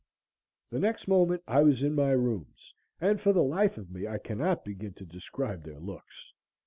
The next moment I was in my rooms, and for the life of me I cannot begin to describe their looks.